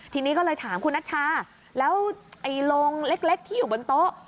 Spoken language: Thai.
ทีนี้ก็เลยถามคุณนัชชาแล้วไอ้โรงเล็กที่อยู่บนโต๊ะ